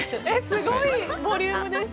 すごいボリュームです。